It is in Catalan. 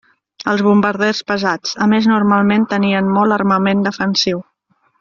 Els bombarders pesats a més normalment tenien molt armament defensiu.